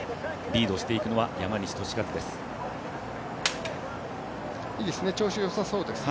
リードしていくのは山西利和です。